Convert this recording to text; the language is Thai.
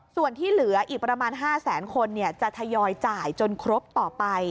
ส่วนที่เหลืออีกประมาณ๕แสนคนจะทยอยจ่ายจนครบต่อไป